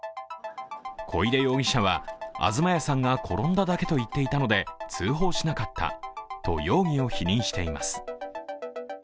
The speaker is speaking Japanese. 小出容疑者は、東谷さんが転んだだけと言っただけなので通報しなかったと容疑を否認しています。